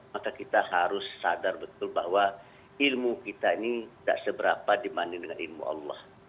maka kita harus sadar betul bahwa ilmu kita ini tidak seberapa dibanding dengan ilmu allah